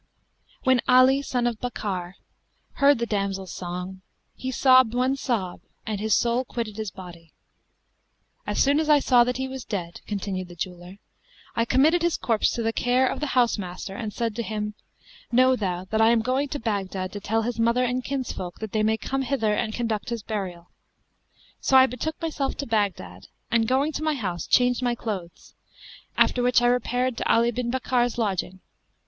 When Ali son of Bakkar heard the damsel's song, he sobbed one sob and his soul quitted his body. As soon as I saw that he was dead" (continued the jeweller), "I committed his corpse to the care of the house master and said to him 'Know thou, that I am going to Baghdad, to tell his mother and kinsfolk, that they may come hither and conduct his burial.' So I betook myself to Baghdad and, going to my house, changed my clothes; after which I repaired to Ali bin Bakkar's lodging.